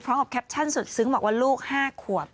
แคปชั่นสุดซึ้งบอกว่าลูก๕ขวบ